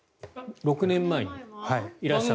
６年前にいらっしゃって。